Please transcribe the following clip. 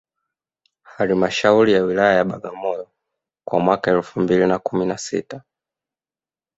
Halmashauri ya Wilaya ya Bagamoyo kwa mwaka elfu mbili kumi na sita